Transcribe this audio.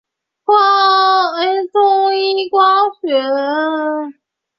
中一光学。